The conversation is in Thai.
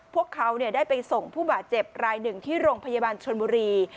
พวกเขาได้ไปส่งผู้บาดเจ็บรายหนึ่งที่โรงพยาบาลชนบุรี